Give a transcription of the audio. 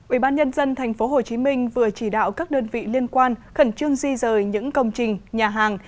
ủy ban nhân dân tp hcm vừa chỉ đạo các đơn vị liên quan khẩn trương di rời những công trình nhà hàng